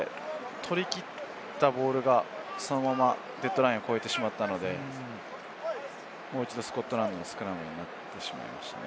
取りきったボールがそのままデッドラインを越えてしまったので、もう一度スコットランドのスクラムになってしまいましたね。